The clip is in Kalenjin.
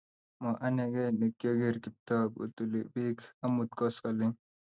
mo anegei nekiogeer Kiptoo kootuli beek omut koskoleny